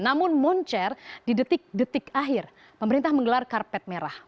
namun moncer di detik detik akhir pemerintah menggelar karpet merah